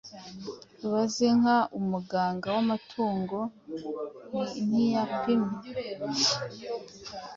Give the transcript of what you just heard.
Ubaze inka umuganga w’amatungo ntayipime ,